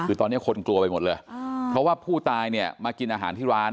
คือตอนนี้คนกลัวไปหมดเลยเพราะว่าผู้ตายเนี่ยมากินอาหารที่ร้าน